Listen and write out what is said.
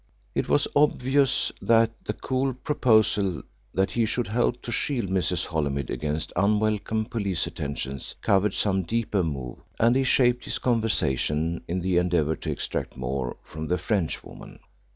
It was obvious that the cool proposal that he should help to shield Mrs. Holymead against unwelcome police attentions covered some deeper move, and he shaped his conversation in the endeavour to extract more from the Frenchwoman.